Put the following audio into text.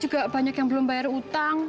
juga banyak yang belum bayar utang